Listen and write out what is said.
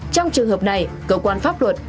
trong trường hợp này cơ quan pháp luật